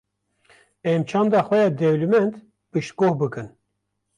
em çanda xwe ya dewlemed piştgoh bikin.